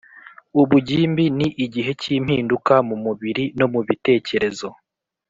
ubugimbi ni igihe k impinduka mu mubiri no mu bitekerezo